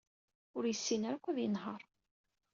Ur yessin ara akk ad yenheṛ.